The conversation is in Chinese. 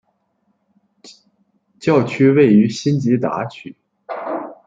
教区位于辛吉达区。